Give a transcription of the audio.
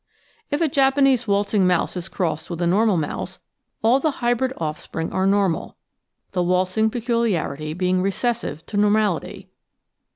If a Japanese waltzing mouse is crossed with a normal mouse, all the hybrid offspring are normal, the waltzing peculiarity being recessive to normality.